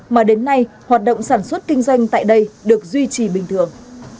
mà đến nay hoạt động sản xuất kinh doanh tại đây được duy trì bình thường